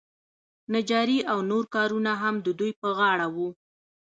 نجاري او نور کارونه هم د دوی په غاړه وو.